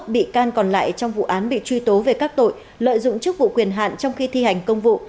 một mươi bị can còn lại trong vụ án bị truy tố về các tội lợi dụng chức vụ quyền hạn trong khi thi hành công vụ